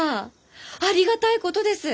ありがたいことです！